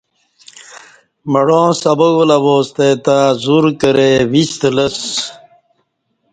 مڑاں سبق ولہ واستے تہ زور نہ کرہ ویستہ لسہ